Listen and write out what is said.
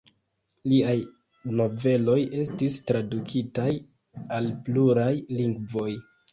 Liaj noveloj estis tradukitaj al pluraj lingvoj.